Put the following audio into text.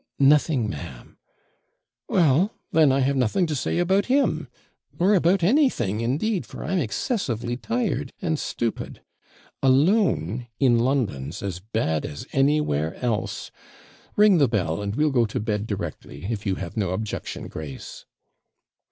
'Nothing, ma'am.' 'Well, then, I have nothing to say about him, or about anything, indeed, for I'm excessively tired and stupid alone in London's as bad as anywhere else. Ring the bell, and we'll go to bed directly if you have no objection, Grace.'